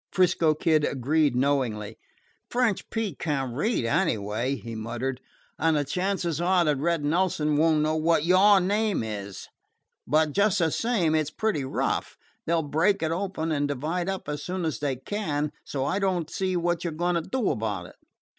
'Frisco Kid agreed knowingly. "French Pete can't read, anyway," he muttered, "and the chances are that Red Nelson won't know what your name is. But, just the same, it 's pretty rough. They 'll break it open and divide up as soon as they can, so I don't see what you 're going to do about it."